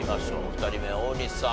２人目大西さん